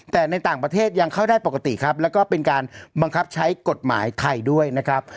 แต่ในต่างประเทศยังเข้าได้ปกติครับแล้วก็เป็นการบังคับใช้กฎหมายไทยด้วยนะครับ